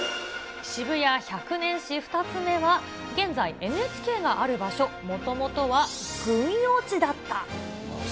渋谷１００年史２つ目は、現在ＮＨＫがある場所、もともとは軍用地だった。